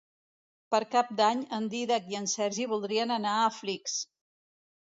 Per Cap d'Any en Dídac i en Sergi voldrien anar a Flix.